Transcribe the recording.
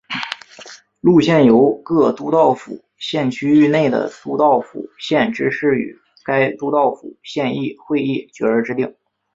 路线由各都道府县区域内的都道府县知事与该都道府县议会议决而制定。